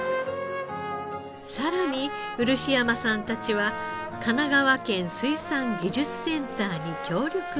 さらに漆山さんたちは神奈川県水産技術センターに協力を依頼。